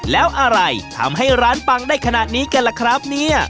แล้วอะไรทำให้ร้านปังได้ขนาดนี้กันล่ะครับเนี่ย